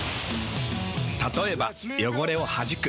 たとえば汚れをはじく。